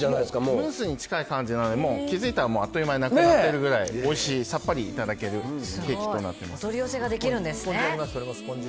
ムースに近い感じなので気づいたらあっという間になくなったくらいさっぱりいただけるケーキとなってます。